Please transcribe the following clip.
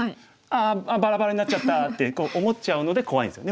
「ああバラバラになっちゃった」って思っちゃうので怖いんですよ。